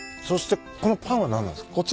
そしてこのパンは何なんすか？